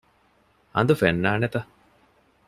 ހަނދު ފެންނާނެތަ؟